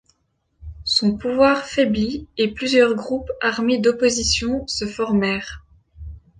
Son pouvoir faiblit et plusieurs groupes armés d'opposition se formèrent.